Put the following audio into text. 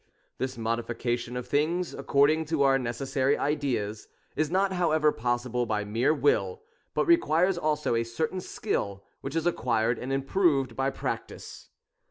This modification of things according to our necessary ideas, is not however possible by mere Will, but requires also a certain skill, which is acquired and improved by practice.